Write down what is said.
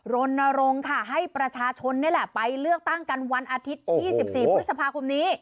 รณรงค์ค่ะให้ประชาชนนี่แหละไปเลือกตั้งกันวันอาทิตย์ที่๑๔พฤษภาคมนี้